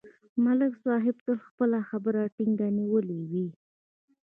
ملک صاحب تل خپله خبره ټینګه نیولې وي